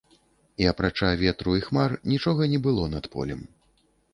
І апрача ветру і хмар нічога не было над полем.